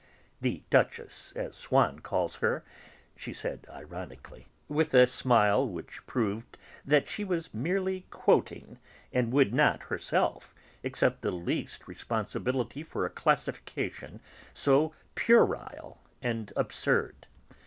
The Duchess, as Swann calls her," she added ironically, with a smile which proved that she was merely quoting, and would not, herself, accept the least responsibility for a classification so puerile and absurd.